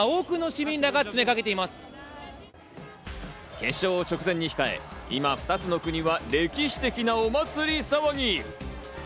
決勝を直前に控え、今２つの国は歴史的なお祭り騒ぎ。